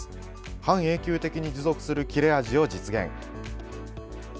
半永久的に持続する切れ味を実現。